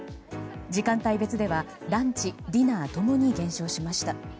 時間帯別ではランチディナー共に減少しました。